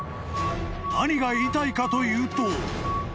［何が言いたいかというと］